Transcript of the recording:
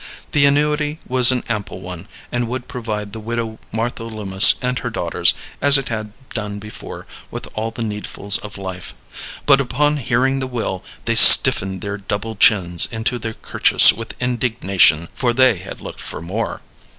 The annuity was an ample one, and would provide the widow Martha Loomis and her daughters, as it had done before, with all the needfuls of life; but upon hearing the will they stiffened their double chins into their kerchiefs with indignation, for they had looked for more.